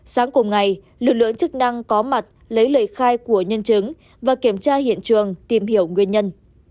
sáng cùng ngày lực lượng chức năng có mặt lấy lời khai của nhân chứng và kiểm tra hiện trường tìm hiểu nguyên nhân